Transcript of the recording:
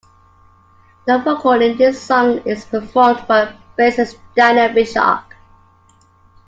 The vocal in this song is performed by bassist Daniel Pishock.